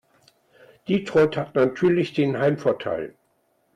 Detroit hat natürlich den Heimvorteil.